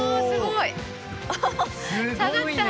すごいね。